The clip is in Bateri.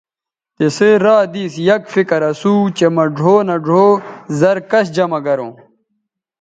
تِسئ را دِس یک فکر اسُو چہء مہ ڙھؤ نہ ڙھؤ زَر کش جمہ گروں